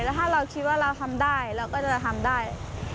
แล้วถ้าเราคิดว่าเราทำได้เราก็จะทำได้